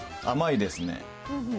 甘いですね。